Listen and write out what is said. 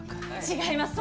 違います